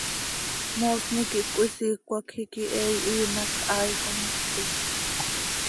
Moosni quih cöhisiicö hac iiqui he ihiin hac haai xommipi.